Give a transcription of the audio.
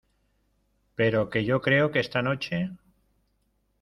pero que yo creo que esta noche